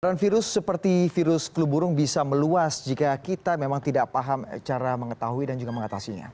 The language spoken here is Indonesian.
penyebaran virus seperti virus flu burung bisa meluas jika kita memang tidak paham cara mengetahui dan juga mengatasinya